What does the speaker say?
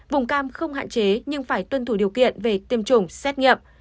vùng cam không hạn chế nhưng phải tuân thủ điều kiện về tiêm chủng xét nghiệm